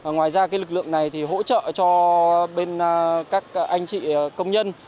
ngoài ra lực lượng này thì hỗ trợ cho bên các anh chị công nhân